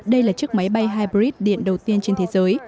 đây là chiếc máy bay hybrid điện đầu tiên trên thế giới